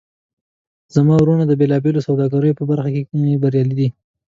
زما وروڼه د بیلابیلو سوداګریو په برخه کې بریالي دي